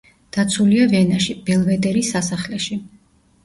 დაცულია ვენაში, ბელვედერის სასახლეში.